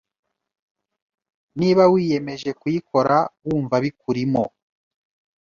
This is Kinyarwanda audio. Niba wiyemeje kuyikora wumva bikurimo